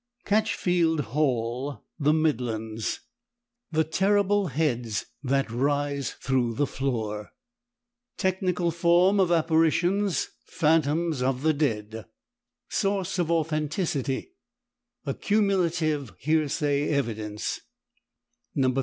CATCHFIELD HALL, THE MIDLANDS THE TERRIBLE HEADS THAT RISE THROUGH THE FLOOR Technical form of apparitions: Phantoms of the dead Source of authenticity: Accumulative hearsay evidence No.